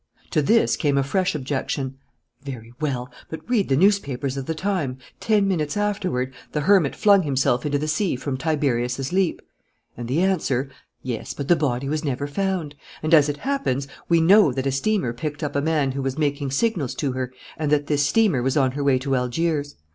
To this came a fresh objection: "Very well; but read the newspapers of the time: ten minutes afterward, the hermit flung himself into the sea from Tiberius' Leap." And the answer: "Yes, but the body was never found. And, as it happens, we know that a steamer picked up a man who was making signals to her and that this steamer was on her way to Algiers.